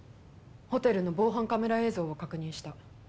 ホテルの防犯カメラ映像を確認した。